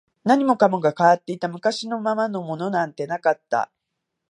何もかもが変わっていた、昔のままのものなんてなかった